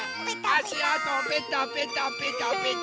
あしあとペタペタペタペタ。